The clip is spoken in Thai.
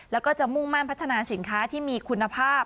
แล้วก็จะมุ่งมั่นพัฒนาสินค้าที่มีคุณภาพ